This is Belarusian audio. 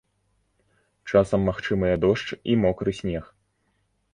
Часам магчымыя дождж і мокры снег.